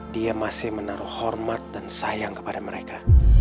dia masih menaruh hormat dan sayang kepada mereka